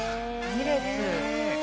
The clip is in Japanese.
２列。